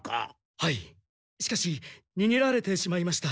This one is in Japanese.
はいしかしにげられてしまいました。